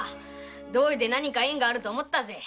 どうりで何か縁があると思ったぜ。